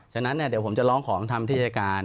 ฉะนั้นเดี๋ยวผมจะล้องขอมธรรมที่จัยการ